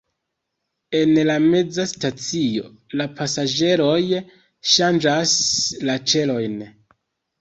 En la meza stacio la pasaĝeroj ŝanĝas la ĉelojn.